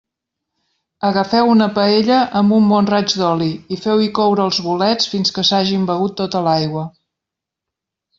Agafeu una paella amb un bon raig d'oli i feu-hi coure els bolets fins que s'hagin begut tota l'aigua.